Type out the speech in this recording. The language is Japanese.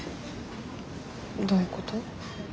どういうこと？